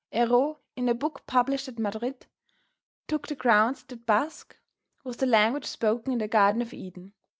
Erro, in a book published at Madrid, took the ground that Basque was the language spoken in the Garden of Eden.